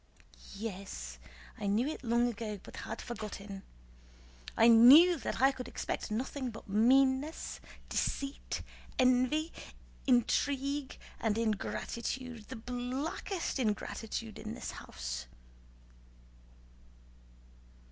"Yes, I knew it long ago but had forgotten. I knew that I could expect nothing but meanness, deceit, envy, intrigue, and ingratitude—the blackest ingratitude—in this house..."